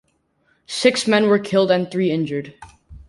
Six men were killed and three injured.